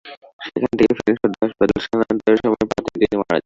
সেখান থেকে ফেনী সদর হাসপাতালে স্থানান্তরের সময় পথেই তিনি মারা যান।